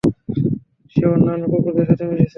সে অন্যান্য কুকুরদের সাথে মিশেছে।